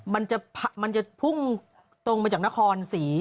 มันจะพุ่งตรงมาจากหน้าคอนสี